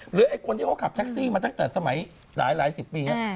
ไอ้คนที่เขาขับแท็กซี่มาตั้งแต่สมัยหลายสิบปี